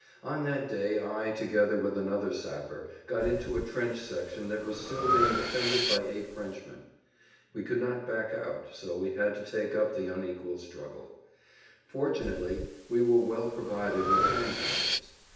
On that day I, together with another sapper, got into a trench section that was still being defended by eight Frenchmen. We could not back out, so we had to take up the unequal struggle. Fortunately we were well provided with hand grenades.